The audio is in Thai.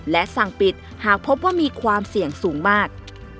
และสั่งปิดหากพบว่ามีความเสี่ยงสูงมาก